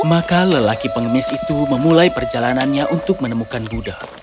maka lelaki pengemis itu memulai perjalanannya untuk menemukan buddha